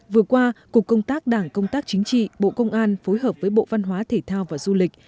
vừa qua cục công tác đảng công tác chính trị bộ công an phối hợp với bộ văn hóa thể thao và du lịch